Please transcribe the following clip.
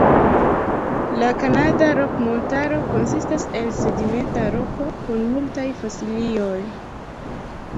La Kanada Rok-Montaro konsistas el sedimenta roko, kun multaj fosilioj.